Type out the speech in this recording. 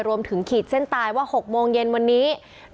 ขีดเส้นตายว่า๖โมงเย็นวันนี้